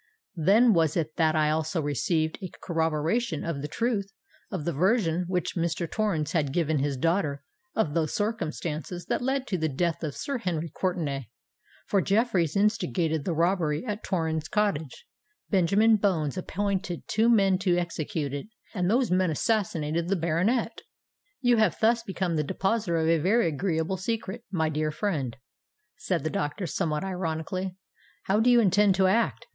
Then was it that I also received a corroboration of the truth of the version which Mr. Torrens had given his daughter of those circumstances that led to the death of Sir Henry Courtenay; for Jeffreys instigated the robbery at Torrens Cottage—Benjamin Bones appointed two men to execute it—and those men assassinated the baronet." "You have thus become the depositor of a very agreeable secret, my dear friend," said the doctor, somewhat ironically. "How do you intend to act?